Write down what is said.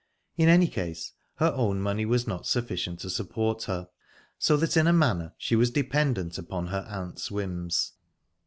In any case, her own money was not sufficient to support her, so that in a manner she was dependent upon her aunt's whims.